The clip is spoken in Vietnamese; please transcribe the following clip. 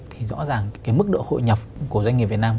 thì rõ ràng cái mức độ hội nhập của doanh nghiệp việt nam